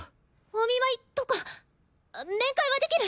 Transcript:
お見舞いとか面会はできる？